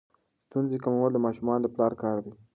ستونزې کمول د ماشومانو د پلار کار دی.